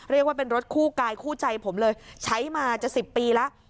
เรียกว่าเป็นรถคู่กายคู่ใจผมเลยใช้มาจะ๑๐ปีแล้ว